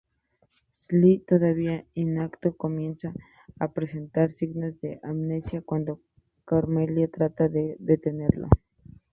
Sly, todavía intacto, comienza a presentar signos de amnesia cuando Carmelita trata de detenerlo.